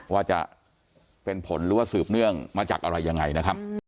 ว่าจะเป็นผลหรือว่าสืบเนื่องมาจากอะไรยังไงนะครับ